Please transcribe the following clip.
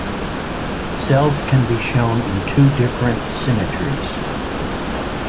Cells can be shown in two different symmetries.